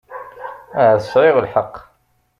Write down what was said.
Ahat sɛiɣ lḥeqq.